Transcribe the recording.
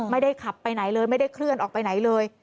ไม่ได้ขับไปไหนเลยไม่ได้เคลื่อนออกไปไหนเลย